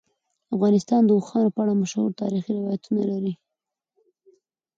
افغانستان د اوښانو په اړه مشهور تاریخی روایتونه لري.